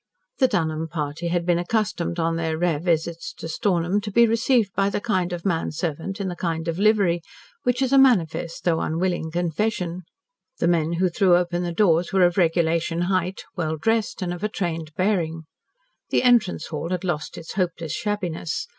The Dunholm party had been accustomed on their rare visits to Stornham to be received by the kind of man servant in the kind of livery which is a manifest, though unwilling, confession. The men who threw open the doors were of regulation height, well dressed, and of trained bearing. The entrance hall had lost its hopeless shabbiness.